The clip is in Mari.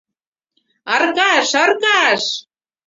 — Аркаш, Аркаш...